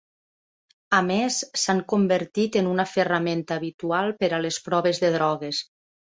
A més, s'han convertit en una ferramenta habitual per a les proves de drogues.